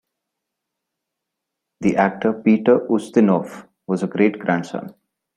The actor Peter Ustinov was a great-grandson.